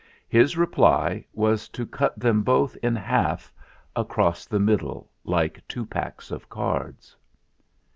His reply was to cut them both in half across the middle like two packs of cards."